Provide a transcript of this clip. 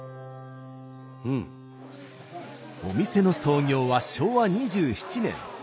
お店の創業は昭和２７年。